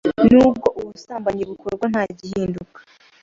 Nubwo ubusambanyi bukorwa ntagihinduka